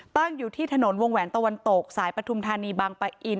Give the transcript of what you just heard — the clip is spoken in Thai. ตั้งอยู่ที่ถนนวงแหวนตะวันตกสายปฐุมธานีบางปะอิน